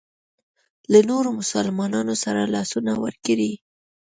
له نورو مسلمانانو سره لاسونه ورکړي.